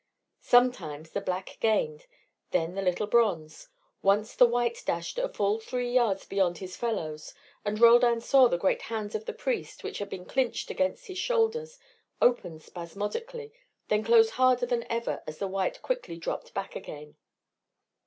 Sometimes the black gained then the little bronze; once the white dashed a full three yards beyond his fellows, and Roldan saw the great hands of the priest, which had been clinched against his shoulders, open spasmodically, then close harder than ever as the white quickly dropped back again.